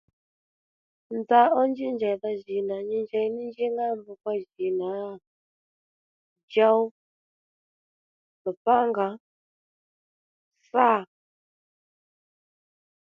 Nza ó njí njèydha dhò nyi njey ní nji ŋá mbrukpa jì nǎ djow lupanga sâ